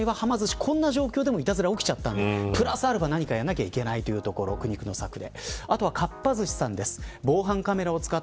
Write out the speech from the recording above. この状態でもいたずらが起きてしまったのでプラスアルファ何かやらないといけないというところ、苦肉の策で。